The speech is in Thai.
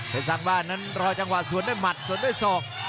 สร้างบ้านนั้นรอจังหวะสวนด้วยหมัดสวนด้วยศอก